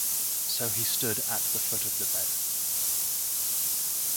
So he stood at the foot of the bed.